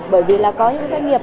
bởi vì là có những doanh nghiệp